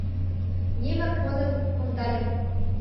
Немыр подым кондальым.